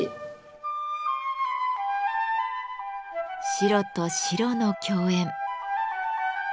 白と白の競演。